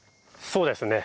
そうですね。